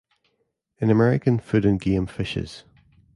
In American Food and Game Fishes.